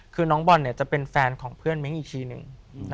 คือน้องบอลเนี่ยจะเป็นแฟนของเพื่อนเม้งอีกทีหนึ่ง